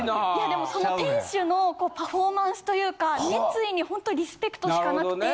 でもその店主のパフォーマンスというか熱意にほんとリスペクトしかなくて。